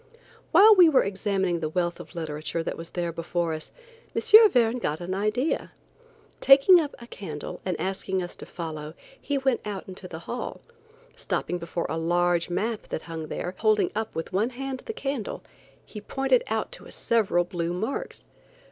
While we were examining the wealth of literature that was there before us, M. Verne got an idea. Taking up a candle and asking us to follow, he went out into the hall; stopping before a large map that hung there, holding up with one hand the candle, he pointed out to us several blue marks.